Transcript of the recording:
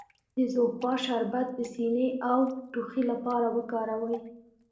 د زوفا شربت د سینې او ټوخي لپاره وکاروئ